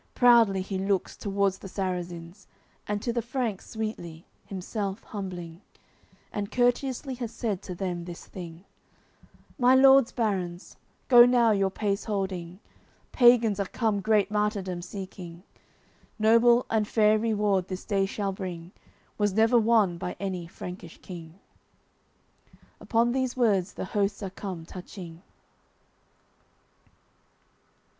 Proudly he looks towards the Sarrazins, And to the Franks sweetly, himself humbling; And courteously has said to them this thing: "My lords barons, go now your pace holding! Pagans are come great martyrdom seeking; Noble and fair reward this day shall bring, Was never won by any Frankish King." Upon these words the hosts are come touching.